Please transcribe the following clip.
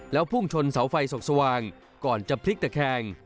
แล้วพุ่งชนเสาไฟส่องสว่างก่อนจะพลิกตะแคง